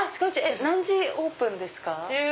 何時オープンですか？